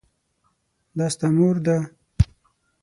دا ستا مور ده ؟